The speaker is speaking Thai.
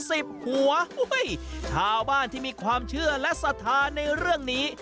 สิบหัวเฮ้ยชาวบ้านที่มีความเชื่อและสถานในเรื่องนี้